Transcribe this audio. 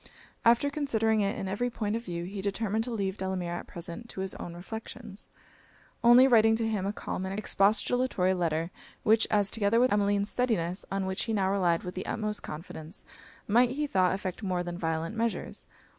After considering it in every point of view, he determined to leave Delamere at present to his own reflections; only writing to him a calm and expostulatory letter; such as, together with Emmeline's steadiness, on which he now relied with the utmost confidence, might, he thought, effect more than violent measures.